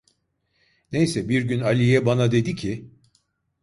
Neyse, bir gün Aliye bana dedi ki: